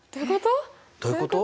どういうこと？